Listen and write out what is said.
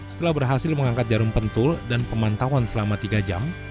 setelah berhasil mengangkat jarum pentul dan pemantauan selama tiga jam